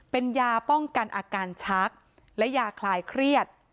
เป็นยาป้องกันอาการชักและยาคลายเครียด